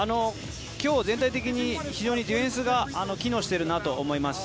今日、全体的に非常にディフェンスが機能しているなと思います。